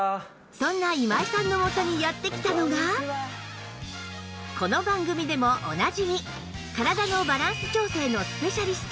そんな今井さんのもとにやって来たのがこの番組でもおなじみ体のバランス調整のスペシャリスト